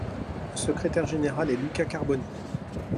Le secrétaire général est Luca Carboni.